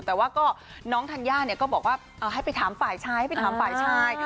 แต่ว่าก็น้องธัญญาก็บอกว่าให้ไปถามฝ่ายชายให้ไปถามฝ่ายชาย